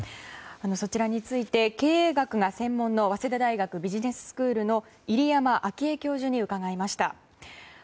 そちらについて経営学が専門の早稲田大学ビジネススクールの入山章栄教授に伺いました。